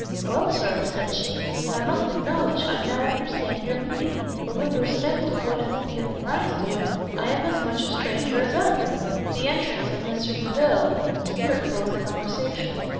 "Well, Sir," said she, "I must acknowledge I now understand your meaning; but with respect to what has given rise to it, I am as much a stranger as ever." The entrance of Mr Delvile here closed the conversation.